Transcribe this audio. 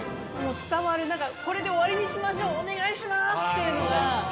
伝わる「これで終わりにしましょうお願いします」って。